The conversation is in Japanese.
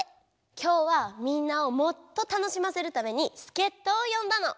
今日はみんなをもっと楽しませるためにすけっとをよんだの。